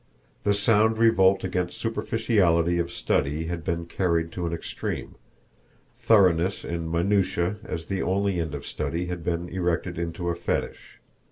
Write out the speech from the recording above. The sound revolt against superficiality of study had been carried to an extreme; thoroughness in minutiae as the only end of study had been erected into a fetish.